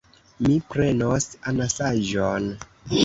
Mi prenos anasaĵon.